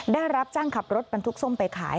ได้รับจ้างขับรถบรรทุกส้มไปขาย